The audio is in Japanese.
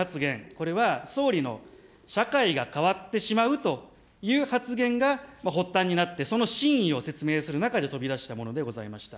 これは総理の社会が変わってしまうという発言が発端になって、その真意を説明する中で飛び出したものでございました。